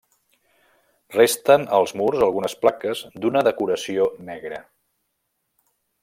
Resten als murs algunes plaques d'una decoració negra.